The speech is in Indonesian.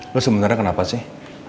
lo sebenernya kenapa sih